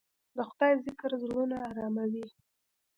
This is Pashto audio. د خدای ذکر زړونه اراموي.